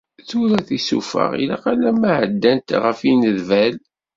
Tura tisufaɣ ilaq alamma εeddant ɣef inedbal.